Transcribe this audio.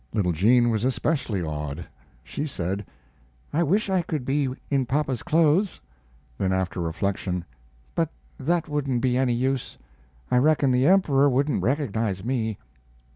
Little Jean was especially awed. She said: "I wish I could be in papa's clothes"; then, after reflection, "but that wouldn't be any use. I reckon the Emperor wouldn't recognize me."